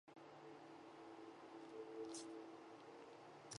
圣尼古拉区为比利时东法兰德斯省辖下的一个区。